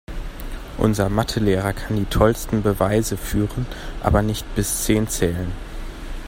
Unser Mathe-Lehrer kann die tollsten Beweise führen, aber nicht bis zehn zählen.